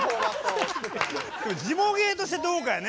ジモ芸としてどうかよね。